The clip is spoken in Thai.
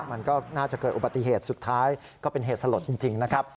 มันก็น่าจะเกิดอุบัติเหตุสุดท้ายก็เป็นเหตุสลดจริงนะครับ